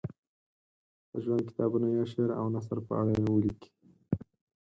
د ژوند کتابونه یا شعر او نثر په اړه ولیکي.